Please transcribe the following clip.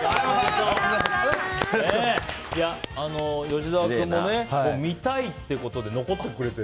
吉沢君も見たいってことで残ってくれて。